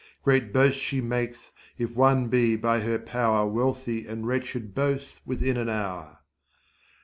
Great boast she mak'th if one be by her pow'r Wealthy and wretched both within an hour.